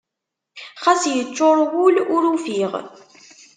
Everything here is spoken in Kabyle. Xas yeččuṛ wul ur ufiɣ.